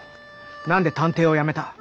何で探偵をやめた。